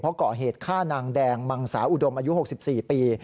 เพราะเกาะเหตุฆ่านางแดงมังสาอุดมอายุหกสิบสี่ปี